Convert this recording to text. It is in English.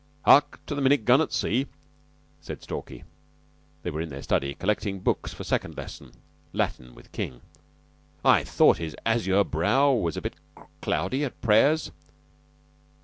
"Hark to the minute gun at sea!" said Stalky. They were in their study collecting books for second lesson Latin, with King. "I thought his azure brow was a bit cloudy at prayers.